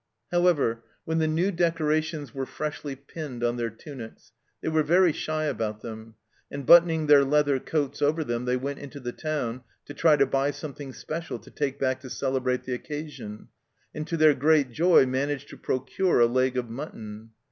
However, when the new decorations were freshly pinned on their tunics they were very shy about them, and, buttoning their leather coats over them, they went into the town to try to buy something " special " to take back to celebrate the occasion, and to their great joy managed to procure a leg of mutton